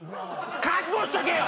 覚悟しとけよ。